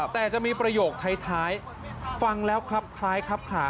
แต่จะมีประโยคท้ายฟังแล้วครับคล้ายครับขา